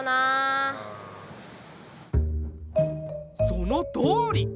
そのとおり！